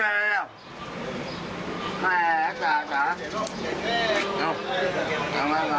หลายหลายหลายหลายปีนี้ผมไม่รู้